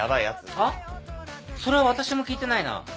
あっそれは私も聞いてないな。